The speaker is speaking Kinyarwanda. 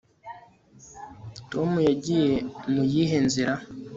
tom yagiye mu yihe nzira